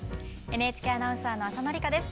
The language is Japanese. ＮＨＫアナウンサーの浅野里香です。